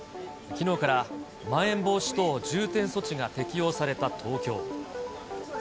きのうからまん延防止等重点措置が適用された東京。